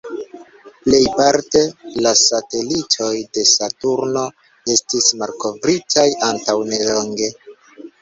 Plejparte de satelitoj de Saturno estis malkovritaj antaŭ nelonge.